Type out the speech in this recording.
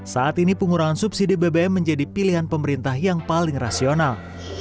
saat ini pengurangan subsidi bbm menjadi pilihan pemerintah yang paling rasional